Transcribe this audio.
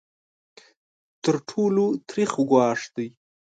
تر ټولو تریخ ګواښ دی.